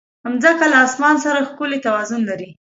مځکه له اسمان سره ښکلی توازن لري.